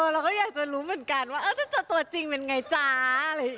เราก็อยากจะรู้เหมือนกันว่าจะจัดตัวจริงเป็นไงจ้า